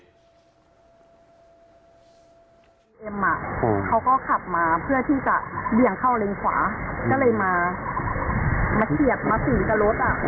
เอ็มอ่ะเขาก็ขับมาเพื่อที่จะเบี่ยงเข้าเลนขวาก็เลยมาเหยียบมาสีกับรถอ่ะ